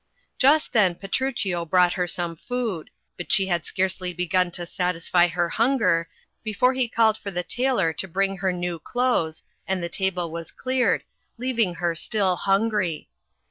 Just then Petruchio brought her some food — ^but she had scarcely begun to satisfy her hunger, before he called for the tailor to bring her new clothes, and the table was cleared, leaving her still hungry.